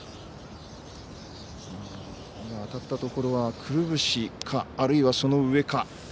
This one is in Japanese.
当たったところはくるぶしかあるいは、その上か。